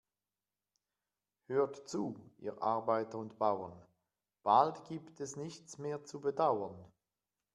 Hört zu, ihr Arbeiter und Bauern, bald gibt es nichts mehr zu bedauern.